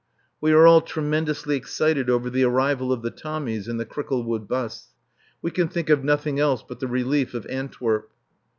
We are all tremendously excited over the arrival of the Tommies and the Cricklewood bus. We can think of nothing else but the relief of Antwerp.